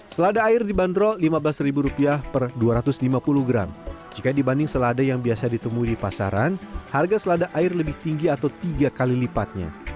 selada air dibanderol rp lima belas per dua ratus lima puluh gram jika dibanding selada yang biasa ditemui di pasaran harga selada air lebih tinggi atau tiga kali lipatnya